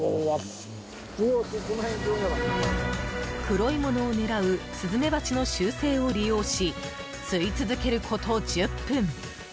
黒いものを狙うスズメバチの習性を利用し吸い続けること１０分。